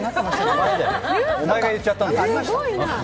お前だよ、お前が言っちゃったんだよ！